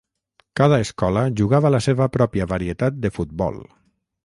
Cada escola jugava la seva pròpia varietat de futbol.